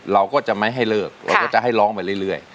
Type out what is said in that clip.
เราก็จะไม่ให้เลิกเราก็จะให้ร้องไปเรื่อย